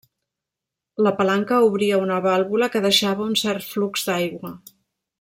La palanca obria una vàlvula que deixava un cert flux d'aigua.